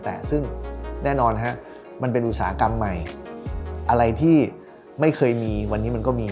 แต่ซึ่งแน่นอนฮะมันเป็นอุตสาหกรรมใหม่อะไรที่ไม่เคยมีวันนี้มันก็มี